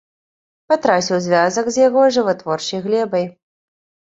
Патраціў звязак з яго жыватворчай глебай.